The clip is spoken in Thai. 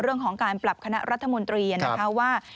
เรื่องของการปรับคณะรัฐมนตรีนะคะว่า